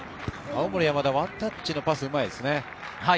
青森山田、ワンタッチのパスがうまいですね。